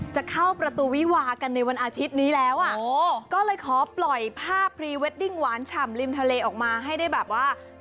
จะเข้าประตูวิวากันในวันอาทิตย์นี้แล้วก็เลยขอปล่อยภาพพรีเวดดิ้งหวานฉ่ำริมทะเลออกมาให้ได้แบบว่า